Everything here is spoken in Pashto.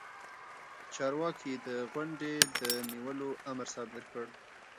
چارواکي د غونډې د نیولو امر صادر کړ.